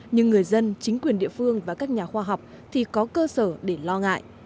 nhưng người dân chính quyền địa phương và các nhà khoa học thì có cơ sở để lo ngại